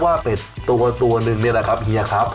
ว่าเป็ดตัวหนึ่งนี่แหละครับเฮียครับ